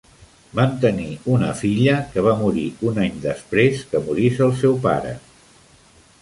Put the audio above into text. Van tenir una filla que va morir un any després que morís el seu pare.